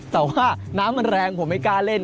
แต่ว่าน้ำมันแรงผมไม่กล้าเล่น